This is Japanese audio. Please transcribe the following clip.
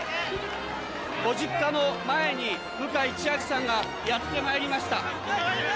ご実家の前に、向井千秋さんがやってまいりました。